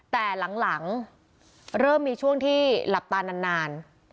แต่หลังเริ่มมีช่วงที่หลับตานาน